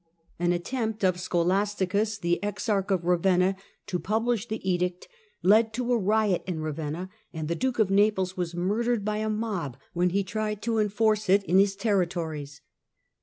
An attempt of Scholasticus, the Exarch of Ravenna, Gregory n. o publish the edict led to a riot in Ravenna, and the Liutprand )uke of Naples was murdered by a mob when he tried o enforce it in his territories.